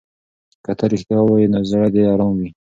که ته رښتیا ووایې نو زړه دې ارام وي.